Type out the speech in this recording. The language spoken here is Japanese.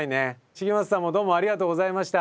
繁正さんもどうもありがとうございました。